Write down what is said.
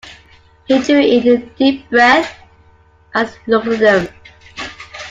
He drew in a deep breath as he looked at them.